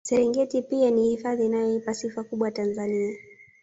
Serengeti pia ni hifadhi inayoipa sifa kubwa Tanzania